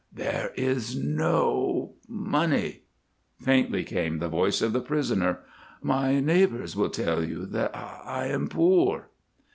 "There is no money," faintly came the voice of the prisoner. "My neighbors will tell you that I am poor."